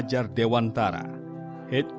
ya akan sia sia nantinya